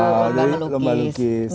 wah dari lomba lukis